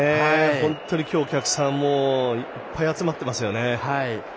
本当に今日、お客さんもいっぱい集まってますよね。